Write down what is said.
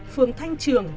phường thanh trường